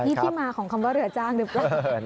นี่ที่มาของคำว่าเหลือจ้างดูกัน